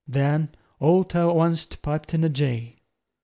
Then all ter onct piped in a jay.